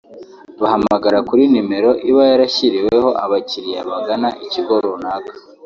bahamagara kuri nimero iba yarashyiriweho abakiliya bagana ikigo runaka